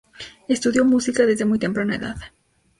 Estudió música desde muy temprana edad.